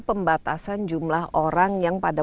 pembatasan jumlah orang yang pada